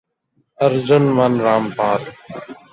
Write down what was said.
ارجن من را مپال